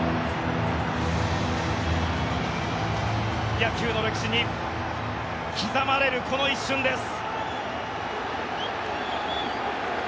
野球の歴史に刻まれるこの一瞬です。